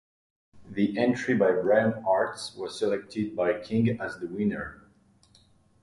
The entry by Brian Hartz was selected by King as the winner.